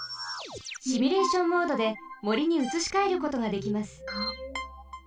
シミュレーションモードでもりにうつしかえることができます。